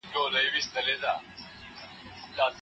زه هڅه کوم چې ټول معلومات خوندي کړم.